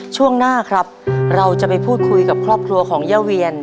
ช่วงหน้าครับเราจะไปพูดคุยกับครอบครัวของย่าเวียน